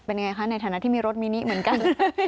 เป็นไงคะในฐานะที่มีรถมินิเหมือนกัน